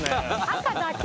赤だけ？